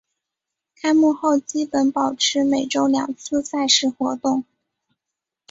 开幕后基本保持每周两次赛事活动。